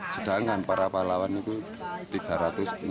sedangkan para pahlawan itu tiga ratus enam puluh